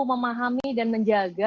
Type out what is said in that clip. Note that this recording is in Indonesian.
mampu memahami dan menjaga